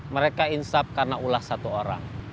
mereka insap karena ulah satu orang